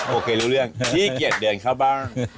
โอเครู้เรื่องขี้เกียจเดินเข้าบ้าง